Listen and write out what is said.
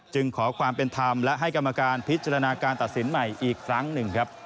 ขอความเป็นธรรมและให้กรรมการพิจารณาการตัดสินใหม่อีกครั้งหนึ่งครับ